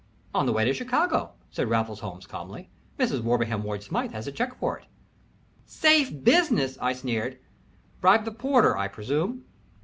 "On the way to Chicago," said Raffles Holmes, calmly. "Mrs. Wilbraham Ward Smythe has the check for it." "Safe business!" I sneered. "Bribed the porter, I presume?"